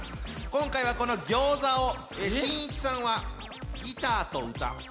今回はこのギョーザをしんいちさんはギターと歌。